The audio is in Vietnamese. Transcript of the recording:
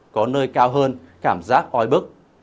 có nơi cao hơn cảm giác ói bức